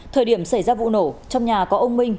thời điểm xảy ra vụ nổ trong nhà có ông minh